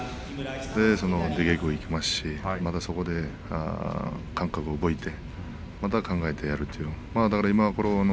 出稽古に行きますし、そこで感覚を覚えてまた考えてやるという。